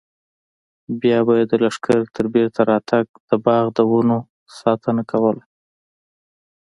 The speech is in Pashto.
بیا به یې د لښکر تر بېرته راتګ د باغ د ونو ساتنه کوله.